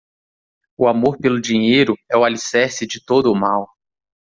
O amor pelo dinheiro é o alicerce de todo o mal.